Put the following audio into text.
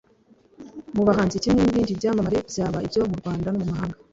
Mu bahanzi kimwe n’ibindi byamamare byaba ibyo mu Rwanda no mu mahanga